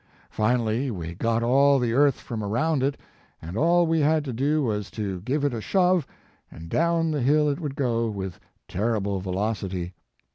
Finally we got all the earth from around it, and all we had to do was to give it a shove, and down the hill it would go with terrible velocity.